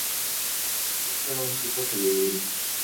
Se trata de un equipo femenino.